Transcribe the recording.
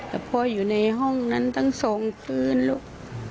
แต่พ่ออยู่ในห้องนั้นทั้งสองปืนลูก